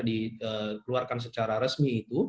dikeluarkan secara resmi